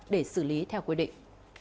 và xử lý theo quy định